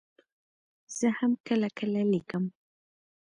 زه هم کله کله لیکم.